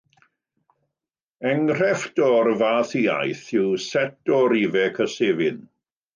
Enghraifft o'r fath iaith yw set o rifau cysefin.